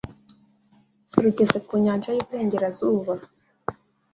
rugeze ku Nyanja y’iburengerazuba